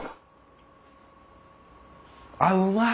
あうまい。